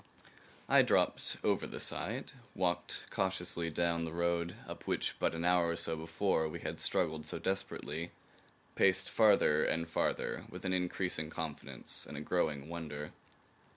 I dropped over the side, walked cautiously down the road up which but an hour or so before we had struggled so desperately; paced farther and farther with an increasing confidence and a growing wonder.